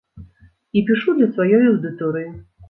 І пішу для сваёй аўдыторыі.